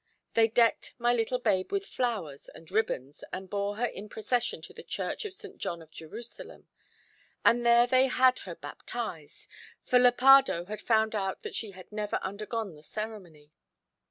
They decked my little babe with flowers and ribands, and bore her in procession to the church of St. John of Jerusalem; and there they had her baptized, for Lepardo had found out that she had never undergone the ceremony.